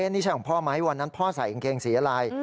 นี่ใช่ของพ่อไหมวันนั้นพ่อใส่กางเกงสีอะไร